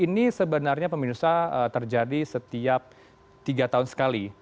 ini sebenarnya pemirsa terjadi setiap tiga tahun sekali